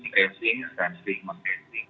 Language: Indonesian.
tiga g testing dan tiga g marketing